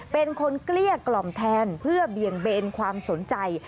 เกลี้ยกล่อมแทนเพื่อเบี่ยงเบนความสนใจ